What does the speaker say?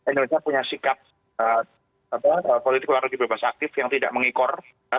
indonesia punya sikap politik luar negeri bebas aktif yang tidak mengikor